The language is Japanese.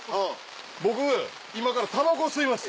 僕今からたばこを吸います。